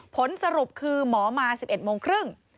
ผลสรุปคือหมอมา๑๑โมงครึ่ง